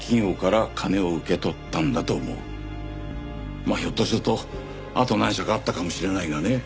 まあひょっとするとあと何社かあったかもしれないがね。